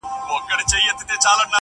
چي دا عرض به مي څوک یوسي تر سلطانه.!